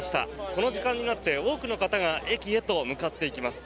この時間になって、多くの方々が駅へと向かっていきます。